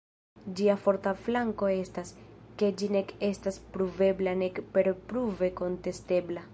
Ĝia forta flanko estas, ke ĝi nek estas pruvebla nek perpruve kontestebla.